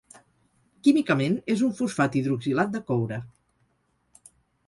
Químicament és un fosfat hidroxilat de coure.